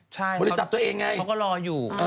ใช่เขาก็รออยู่